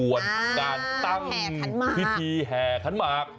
ขบวนการตั้งคริฐีแห่ขันมาก